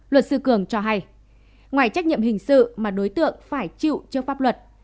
luật sư cường cho hay ngoài trách nhiệm hình sự mà đối tượng phải chịu trước pháp luật